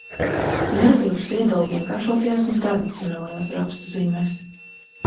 Hieroglifus iedala vienkāršotajās un tradicionālajās rakstu zīmēs.